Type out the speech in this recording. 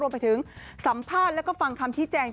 รวมไปถึงสัมภาษณ์แล้วก็ฟังคำที่แจง